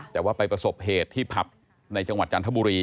แต่ว่าไปประสบเหตุที่ผับในจังหวัดจันทบุรี